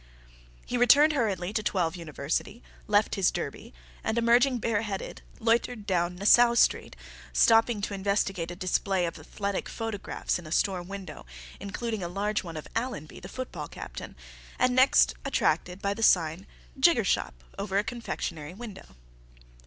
He returned hurriedly to 12 University, left his derby, and, emerging bareheaded, loitered down Nassau Street, stopping to investigate a display of athletic photographs in a store window, including a large one of Allenby, the football captain, and next attracted by the sign "Jigger Shop" over a confectionary window.